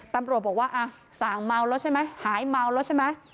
ตำรวจบอกว่าสั่งเมาแล้วใช่ไหมหายเมาแล้วใช่ไหม